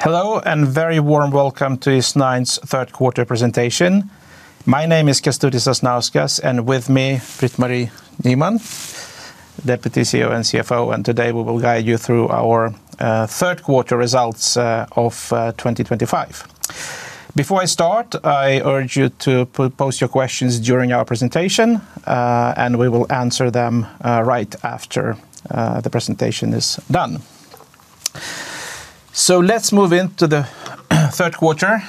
Hello and very warm welcome to Eastnine AB's third quarter presentation. My name is Kestutis Sasnauskas, and with me, Britt-Marie Nyman, Deputy CEO and CFO. Today we will guide you through our third quarter results of 2025. Before I start, I urge you to post your questions during our presentation, and we will answer them right after the presentation is done. Let's move into the third quarter.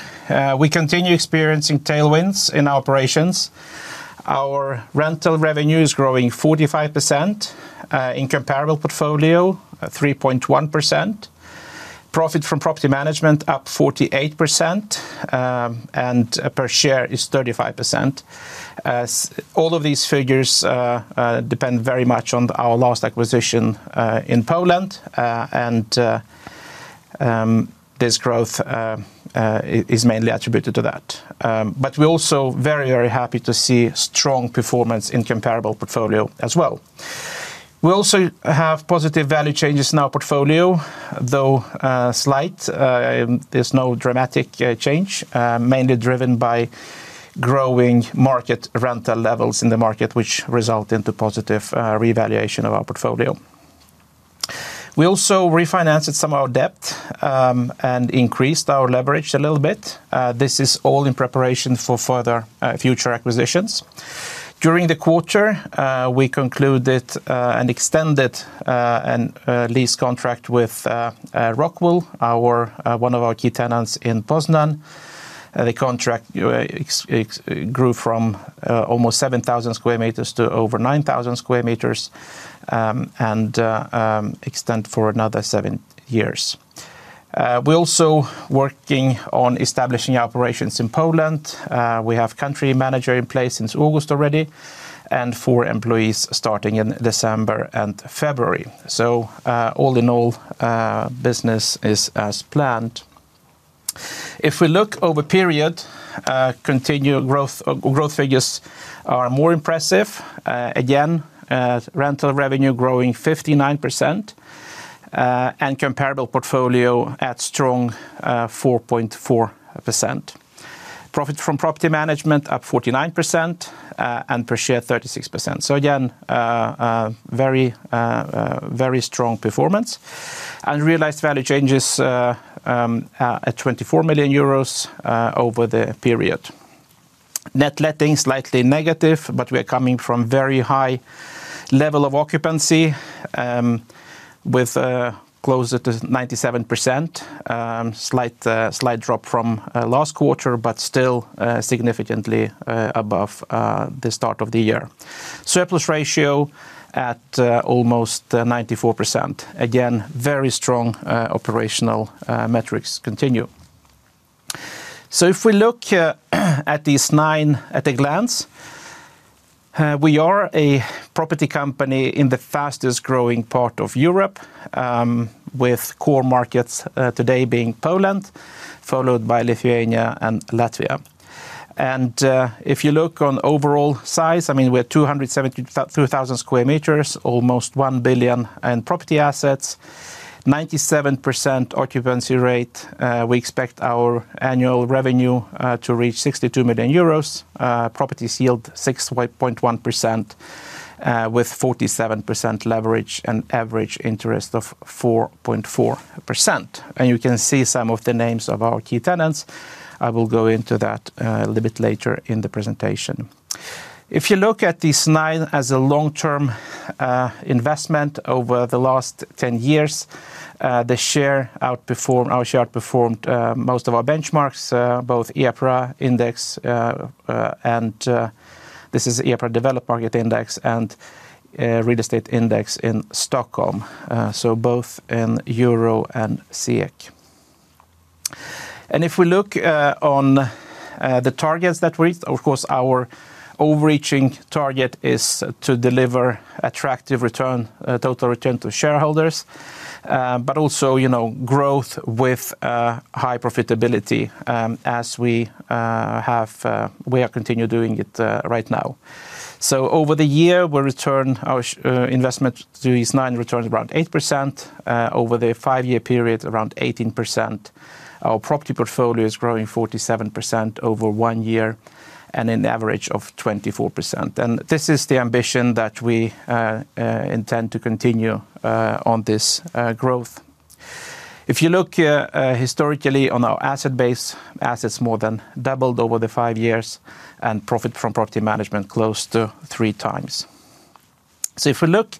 We continue experiencing tailwinds in our operations. Our rental revenue is growing 45%, in comparable portfolio 3.1%, profit from property management up 48%, and per share is 35%. All of these figures depend very much on our last acquisition in Poland, and this growth is mainly attributed to that. We're also very, very happy to see strong performance in comparable portfolio as well. We also have positive value changes in our portfolio, though slight. There's no dramatic change, mainly driven by growing market rental levels in the market, which result in positive revaluation of our portfolio. We also refinanced some of our debt and increased our leverage a little bit. This is all in preparation for further future acquisitions. During the quarter, we concluded an extended lease contract with Rockwool, one of our key tenants in Poznań. The contract grew from almost 7,000 square meters to over 9,000 square meters and extended for another seven years. We're also working on establishing operations in Poland. We have a country manager in place since August already, and four employees starting in December and February. All in all, business is as planned. If we look over the period, continue growth figures are more impressive. Again, rental revenue growing 59%, and comparable portfolio at strong 4.4%. Profit from property management up 49%, and per share 36%. Again, very, very strong performance. Realized value changes at €24 million over the period. Net letting slightly negative, but we are coming from a very high level of occupancy with closer to 97%. Slight drop from last quarter, but still significantly above the start of the year. Surplus ratio at almost 94%. Very strong operational metrics continue. If we look at Eastnine AB at a glance, we are a property company in the fastest growing part of Europe, with core markets today being Poland, followed by Lithuania and Latvia. If you look on overall size, we're 273,000 square meters, almost €1 billion in property assets, 97% occupancy rate. We expect our annual revenue to reach €62 million. Properties yield 6.1% with 47% leverage and average interest of 4.4%. You can see some of the names of our key tenants. I will go into that a little bit later in the presentation. If you look at Eastnine AB as a long-term investment over the last 10 years, our share outperformed most of our benchmarks, both EPRA index, and this is the EPRA Developed Market Index, and Real Estate Index in Stockholm. Both in Euro and SEK. If we look on the targets that we, of course, our overreaching target is to deliver attractive return, total return to shareholders, but also, you know, growth with high profitability as we have, we are continuing doing it right now. Over the year, our investment to Eastnine AB returned around 8%. Over the five-year period, around 18%. Our property portfolio is growing 47% over one year, and an average of 24%. This is the ambition that we intend to continue on this growth. If you look historically on our asset base, assets more than doubled over the five years, and profit from property management close to three times. If we look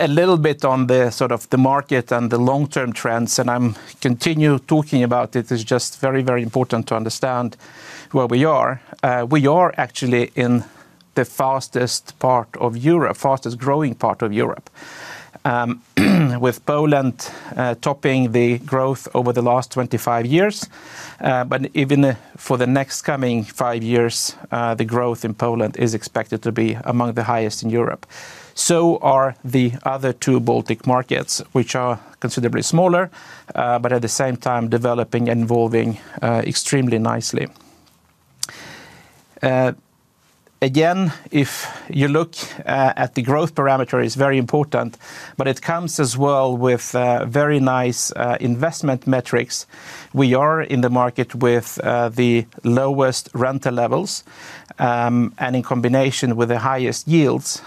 a little bit on the sort of the market and the long-term trends, and I continue talking about it, it's just very, very important to understand where we are. We are actually in the fastest part of Europe, fastest growing part of Europe, with Poland topping the growth over the last 25 years. Even for the next coming five years, the growth in Poland is expected to be among the highest in Europe. The other two Baltic markets, which are considerably smaller, but at the same time developing and evolving extremely nicely. If you look at the growth parameter, it's very important, but it comes as well with very nice investment metrics. We are in the market with the lowest rental levels, and in combination with the highest yields,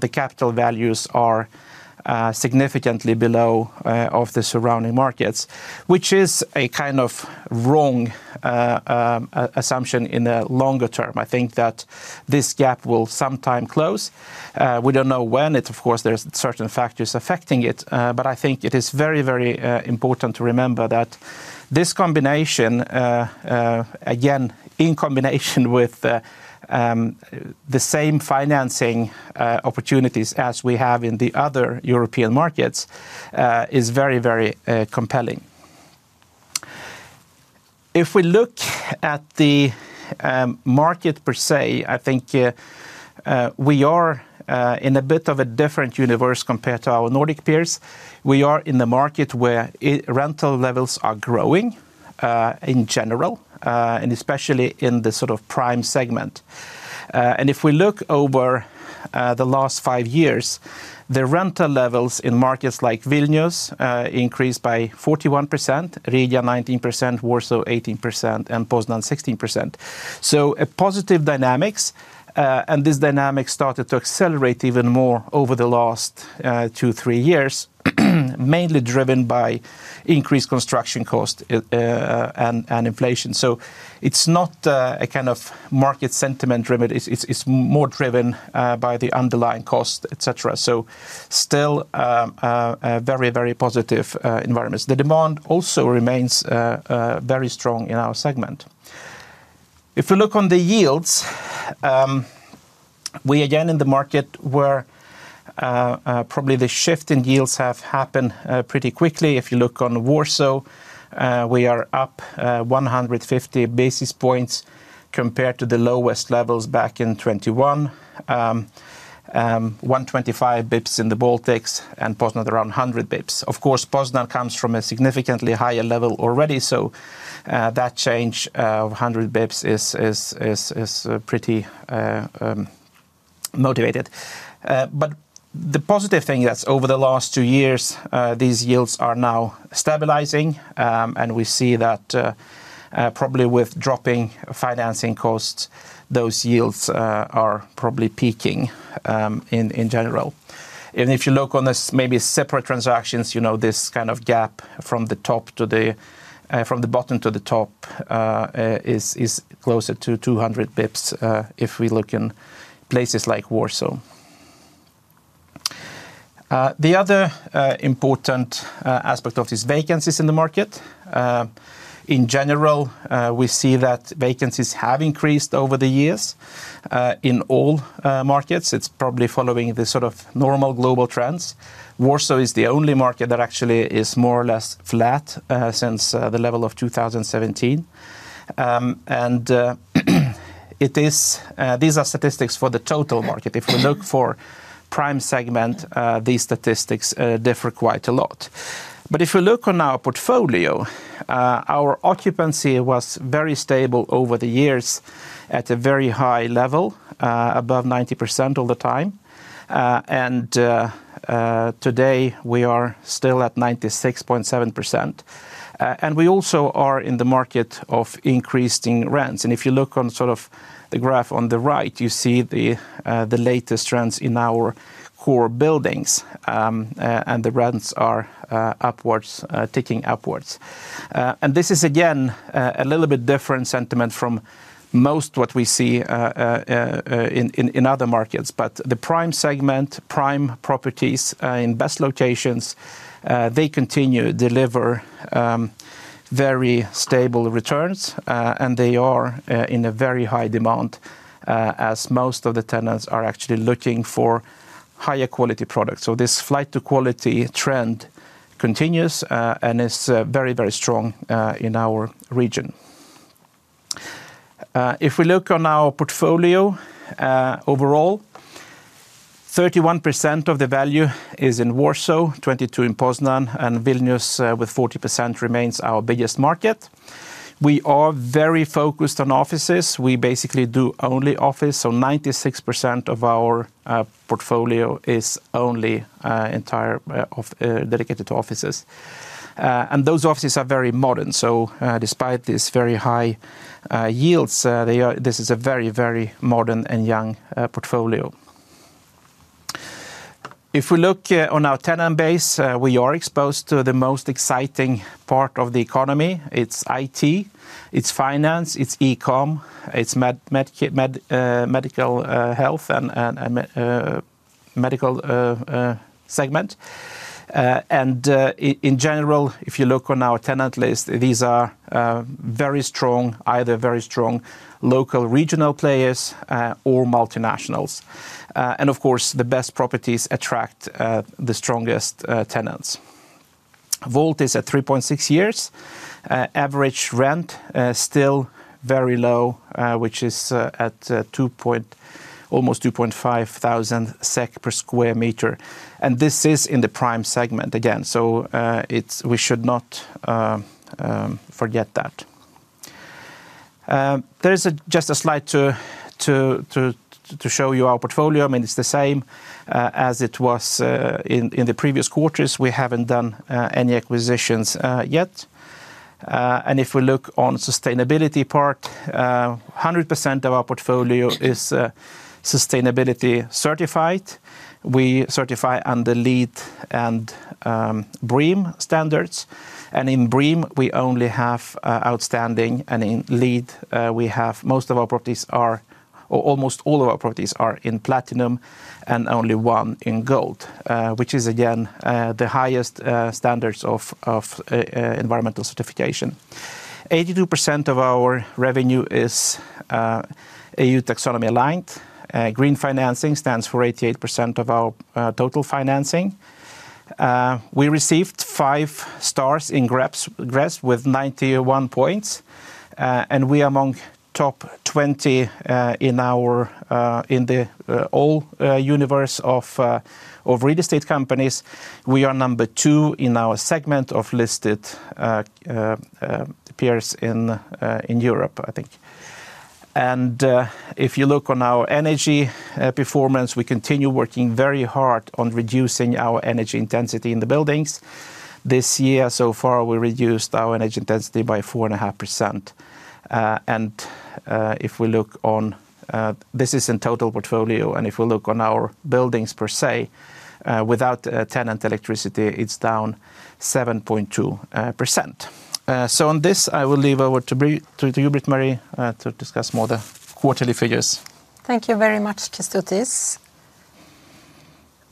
the capital values are significantly below of the surrounding markets, which is a kind of wrong assumption in the longer term. I think that this gap will sometime close. We don't know when it, of course, there are certain factors affecting it, but I think it is very, very important to remember that this combination, again, in combination with the same financing opportunities as we have in the other European markets, is very, very compelling. If we look at the market per se, I think we are in a bit of a different universe compared to our Nordic peers. We are in the market where rental levels are growing in general, and especially in the sort of prime segment. If we look over the last five years, the rental levels in markets like Vilnius increased by 41%, Riga 19%, Warsaw 18%, and Poznań 16%. A positive dynamic, and this dynamic started to accelerate even more over the last two, three years, mainly driven by increased construction costs and inflation. It's not a kind of market sentiment driven. It's more driven by the underlying costs, et cetera. Still a very, very positive environment. The demand also remains very strong in our segment. If we look on the yields, we again in the market where probably the shift in yields has happened pretty quickly. If you look on Warsaw, we are up 150 bps compared to the lowest levels back in 2021, 125 bps in the Baltics, and Poznań around 100 bps. Of course, Poznań comes from a significantly higher level already, so that change of 100 bps is pretty motivated. The positive thing is that over the last two years, these yields are now stabilizing, and we see that probably with dropping financing costs, those yields are probably peaking in general. Even if you look on this maybe separate transactions, you know, this kind of gap from the bottom to the top is closer to 200 bps if we look in places like Warsaw. The other important aspect of these vacancies in the market, in general, we see that vacancies have increased over the years in all markets. It's probably following the sort of normal global trends. Warsaw is the only market that actually is more or less flat since the level of 2017. These are statistics for the total market. If we look for prime segment, these statistics differ quite a lot. If we look on our portfolio, our occupancy was very stable over the years at a very high level, above 90% all the time. Today we are still at 96.7%. We also are in the market of increasing rents. If you look on sort of the graph on the right, you see the latest trends in our core buildings, and the rents are ticking upwards. This is again a little bit different sentiment from most what we see in other markets. The prime segment, prime properties in best locations, they continue to deliver very stable returns, and they are in a very high demand as most of the tenants are actually looking for higher quality products. This flight to quality trend continues and is very, very strong in our region. If we look on our portfolio overall, 31% of the value is in Warsaw, 22% in Poznań, and Vilnius with 40% remains our biggest market. We are very focused on offices. We basically do only office, so 96% of our portfolio is only dedicated to offices. Those offices are very modern. Despite these very high yields, this is a very, very modern and young portfolio. If we look on our tenant base, we are exposed to the most exciting part of the economy. It's IT, it's finance, it's e-com, it's medical health and medical segment. In general, if you look on our tenant list, these are very strong, either very strong local regional players or multinationals. Of course, the best properties attract the strongest tenants. Vault is at 3.6 years. Average rent is still very low, which is at almost 2,500 SEK per square meter. This is in the prime segment again. We should not forget that. There's just a slide to show you our portfolio. It's the same as it was in the previous quarters. We haven't done any acquisitions yet. If we look on the sustainability part, 100% of our portfolio is sustainability certified. We certify under LEED and BREEAM standards. In BREEAM, we only have outstanding, and in LEED, we have most of our properties or almost all of our properties are in platinum and only one in gold, which is again the highest standards of environmental certification. 82% of our revenue is EU taxonomy aligned. Green financing stands for 88% of our total financing. We received five stars in GRESB with 91 points, and we are among top 20 in the whole universe of real estate companies. We are number two in our segment of listed peers in Europe, I think. If you look on our energy performance, we continue working very hard on reducing our energy intensity in the buildings. This year so far, we reduced our energy intensity by 4.5%. If we look on this in total portfolio, and if we look on our buildings per se, without tenant electricity, it's down 7.2%. On this, I will leave over to you, Britt-Marie, to discuss more the quarterly figures. Thank you very much, Kestutis.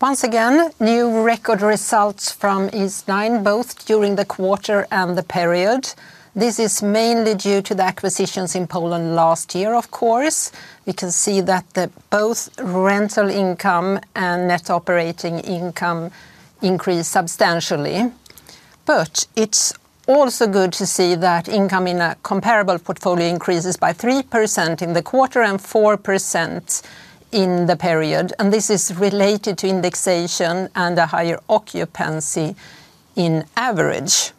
Once again, new record results from Eastnine AB, both during the quarter and the period. This is mainly due to the acquisitions in Poland last year, of course. We can see that both rental income and net operating income increased substantially. It's also good to see that income in a comparable portfolio increases by 3% in the quarter and 4% in the period. This is related to indexation and a higher occupancy in average.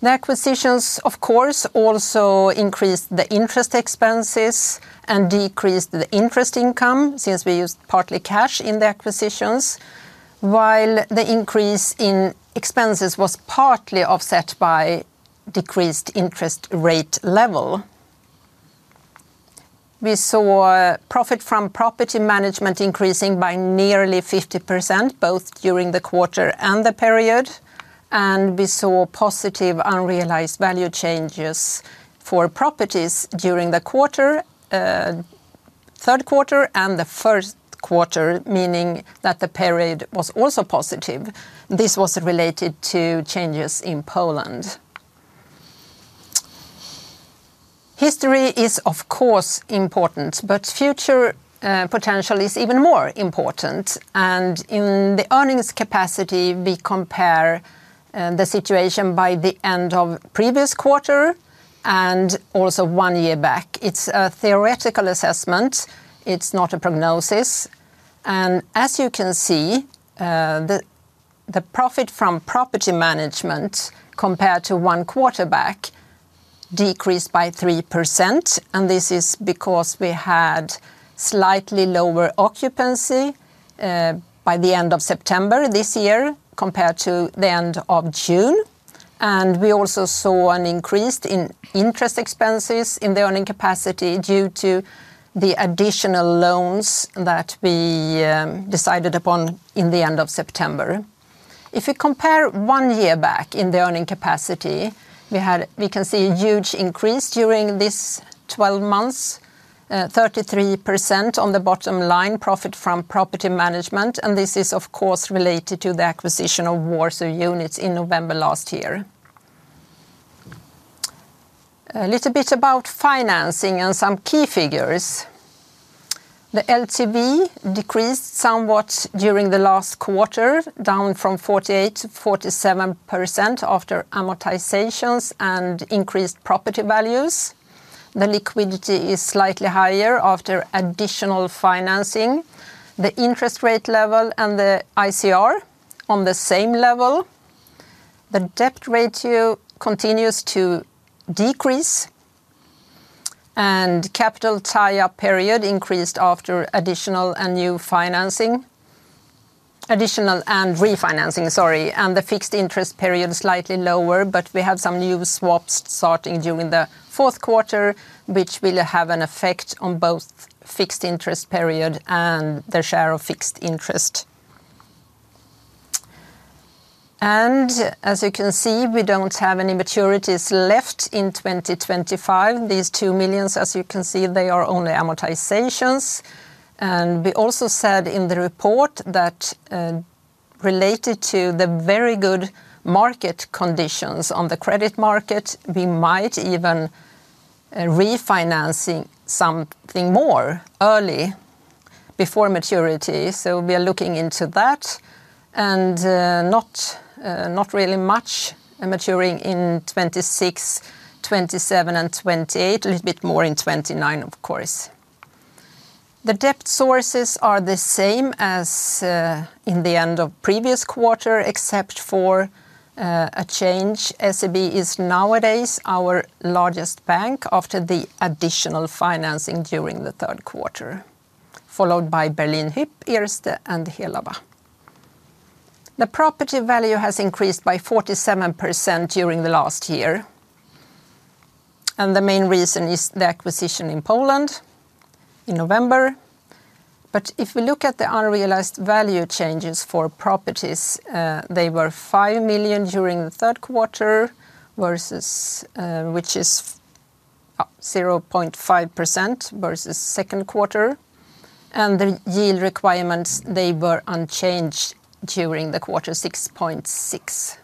The acquisitions, of course, also increased the interest expenses and decreased the interest income since we used partly cash in the acquisitions, while the increase in expenses was partly offset by decreased interest rate level. We saw profit from property management increasing by nearly 50%, both during the quarter and the period. We saw positive unrealized value changes for properties during the quarter, third quarter, and the first quarter, meaning that the period was also positive. This was related to changes in Poland. History is, of course, important, but future potential is even more important. In the earnings capacity, we compare the situation by the end of the previous quarter and also one year back. It's a theoretical assessment. It's not a prognosis. As you can see, the profit from property management compared to one quarter back decreased by 3%. This is because we had slightly lower occupancy by the end of September this year compared to the end of June. We also saw an increase in interest expenses in the earning capacity due to the additional loans that we decided upon in the end of September. If we compare one year back in the earning capacity, we can see a huge increase during these 12 months, 33% on the bottom line profit from property management. This is, of course, related to the acquisition of Warsaw units in November last year. A little bit about financing and some key figures. The LTV decreased somewhat during the last quarter, down from 48% to 47% after amortizations and increased property values. The liquidity is slightly higher after additional financing. The interest rate level and the ICR are on the same level. The debt ratio continues to decrease. The capital tie-up period increased after additional and new financing, additional and refinancing, sorry, and the fixed interest period is slightly lower. We have some new swaps starting during the fourth quarter, which will have an effect on both fixed interest period and the share of fixed interest. As you can see, we don't have any maturities left in 2025. These $2 million, as you can see, they are only amortizations. We also said in the report that related to the very good market conditions on the credit market, we might even refinance something more early before maturity. We are looking into that and not really much maturing in 2026, 2027, and 2028, a little bit more in 2029, of course. The debt sources are the same as in the end of the previous quarter, except for a change. SEB is nowadays our largest bank after the additional financing during the third quarter, followed by Berlin Hyp, Erste, and Helaba. The property value has increased by 47% during the last year. The main reason is the acquisition in Poland in November. If we look at the unrealized value changes for properties, they were $5 million during the third quarter, which is 0.5% versus the second quarter. The yield requirements were unchanged during the quarter, 6.6%.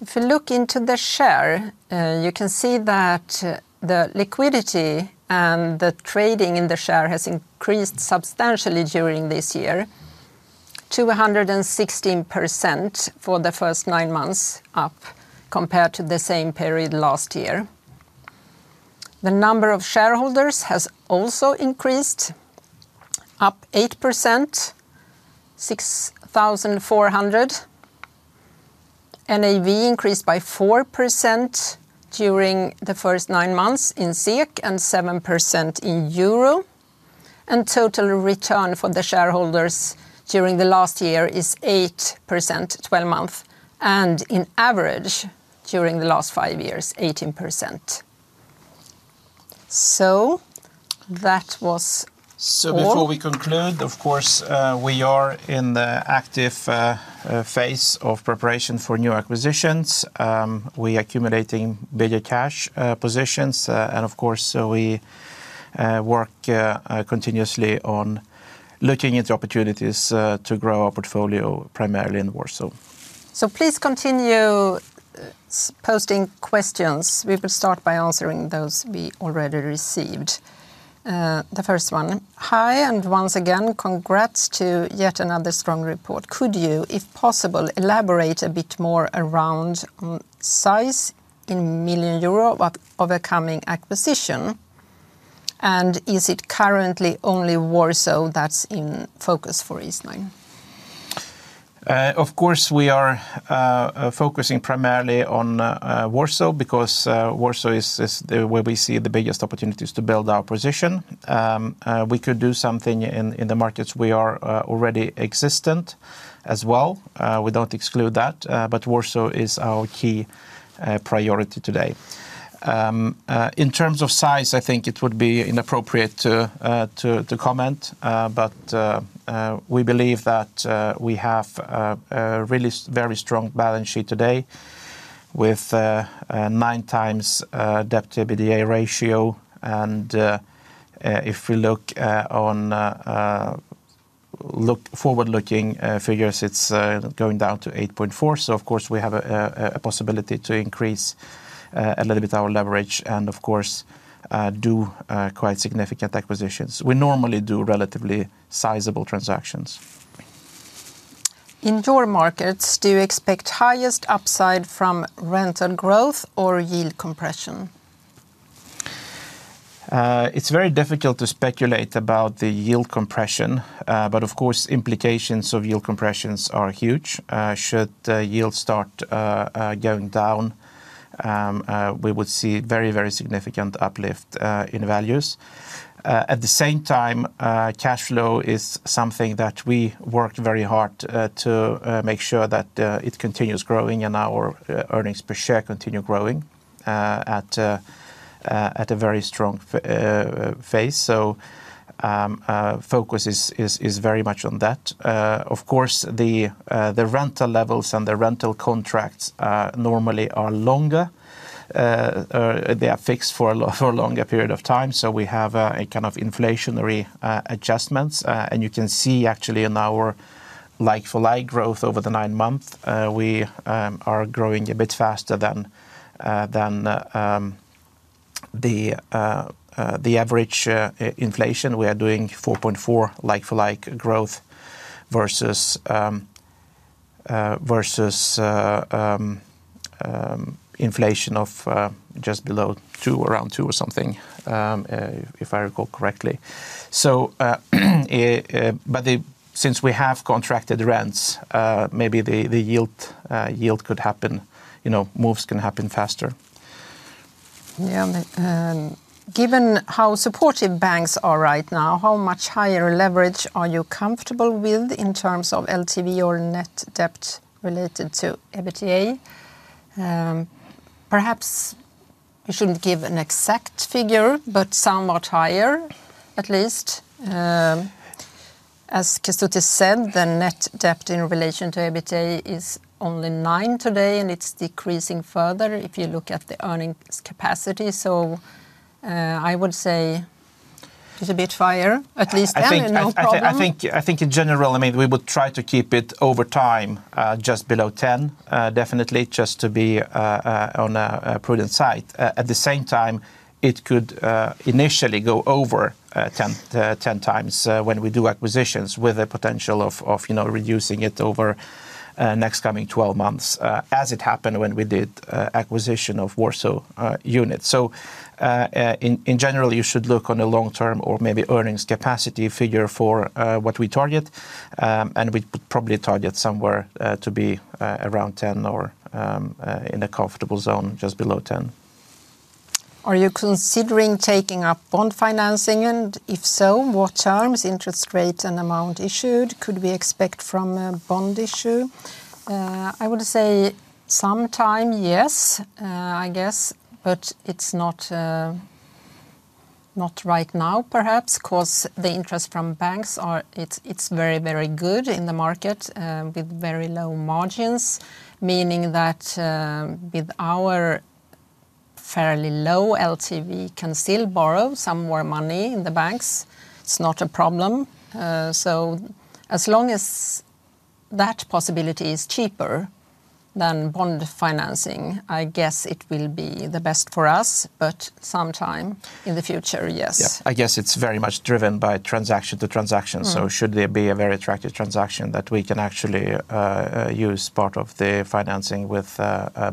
If we look into the share, you can see that the liquidity and the trading in the share has increased substantially during this year, 216% for the first nine months up compared to the same period last year. The number of shareholders has also increased, up 8%, 6,400. NAV increased by 4% during the first nine months in SEK and 7% in EUR. Total return for the shareholders during the last year is 8%, 12 months. In average during the last five years, 18%. We are in the active phase of preparation for new acquisitions. We are accumulating bigger cash positions, and of course, we work continuously on looking into opportunities to grow our portfolio primarily in Warsaw. Please continue posting questions. We will start by answering those we already received. The first one: Hi, and once again, congrats to yet another strong report. Could you, if possible, elaborate a bit more around size in million euro of upcoming acquisition? Is it currently only Warsaw that's in focus for Eastnine AB? Of course, we are focusing primarily on Warsaw because Warsaw is where we see the biggest opportunities to build our position. We could do something in the markets we are already existent as well. We don't exclude that, but Warsaw is our key priority today. In terms of size, I think it would be inappropriate to comment, but we believe that we have a really very strong balance sheet today with a 9 times debt to EBITDA ratio. If we look on forward-looking figures, it's going down to 8.4%. Of course, we have a possibility to increase a little bit our leverage and of course do quite significant acquisitions. We normally do relatively sizable transactions. In your markets, do you expect highest upside from rental growth or yield compression? It's very difficult to speculate about the yield compression, but of course, implications of yield compressions are huge. Should the yield start going down, we would see a very, very significant uplift in values. At the same time, cash flow is something that we work very hard to make sure that it continues growing and our earnings per share continue growing at a very strong phase. Focus is very much on that. Of course, the rental levels and the rental contracts normally are longer. They are fixed for a longer period of time. We have a kind of inflationary adjustment. You can see actually in our like-for-like growth over the nine months, we are growing a bit faster than the average inflation. We are doing 4.4% like-for-like growth versus inflation of just below 2%, around 2% or something, if I recall correctly. Since we have contracted rents, maybe the yield could happen, you know, moves can happen faster. Yeah, given how supportive banks are right now, how much higher leverage are you comfortable with in terms of LTV or net debt related to EBITDA? Perhaps we shouldn't give an exact figure, but somewhat higher at least. As Kestutis Sasnauskas said, the net debt in relation to EBITDA is only 9 today, and it's decreasing further if you look at the earnings capacity. I would say it's a bit higher, at least. I think in general, I mean, we would try to keep it over time just below 10%, definitely just to be on a prudent side. At the same time, it could initially go over 10% when we do acquisitions with the potential of reducing it over the next coming 12 months, as it happened when we did acquisition of Warsaw units. In general, you should look on a long-term or maybe earnings capacity figure for what we target. We'd probably target somewhere to be around 10% or in a comfortable zone just below 10%. Are you considering taking up bond financing? If so, what terms, interest rate, and amount issued could we expect from a bond issue? I would say sometime, yes, I guess, but it's not right now perhaps because the interest from banks is very, very good in the market with very low margins, meaning that with our fairly low LTV, we can still borrow some more money in the banks. It's not a problem. As long as that possibility is cheaper than bond financing, I guess it will be the best for us. Sometime in the future, yes. I guess it's very much driven by transaction to transaction. Should there be a very attractive transaction that we can actually use part of the financing with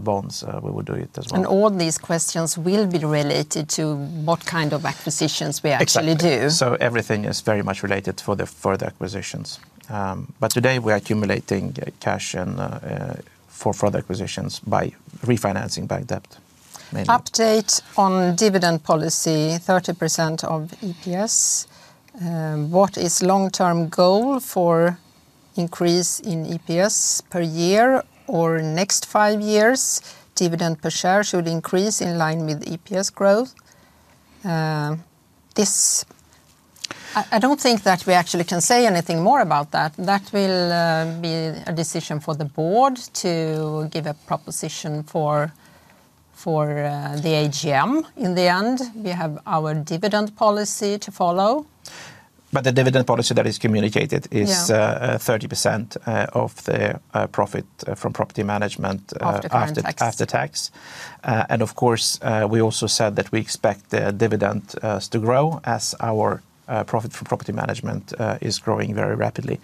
bonds, we would do it as well. These questions will be related to what kind of acquisitions we actually do. Everything is very much related to the further acquisitions. Today we are accumulating cash for further acquisitions by refinancing bank debt. Update on dividend policy, 30% of EPS. What is the long-term goal for an increase in EPS per year or next five years? Dividend per share should increase in line with EPS growth. I don't think that we actually can say anything more about that. That will be a decision for the Board to give a proposition for the AGM in the end. We have our dividend policy to follow. The dividend policy that is communicated is 30% of the profit from property management after tax. We also said that we expect the dividend to grow as our profit from property management is growing very rapidly.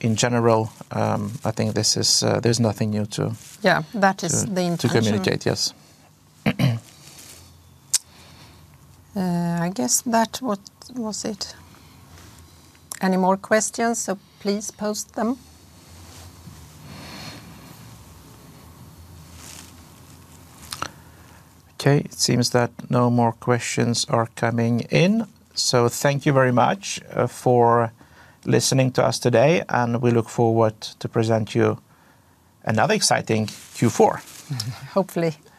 In general, I think there's nothing new to. Yeah, that is the intent. To communicate, yes. I guess that was it. Any more questions? Please post them. Okay, it seems that no more questions are coming in. Thank you very much for listening to us today, and we look forward to presenting you another exciting Q4. Hopefully. Thank you.